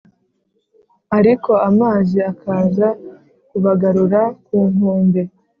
ariko amazi akaza kubagarura ku nkombe